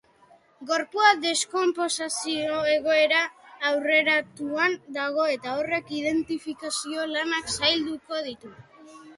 Gorpua deskonposizio egoera aurreratuan dago eta horrek identifikazio lanak zailduko ditu.